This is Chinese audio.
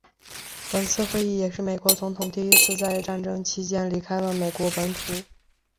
本次会议也是美国总统第一次在战争期间离开了美国本土。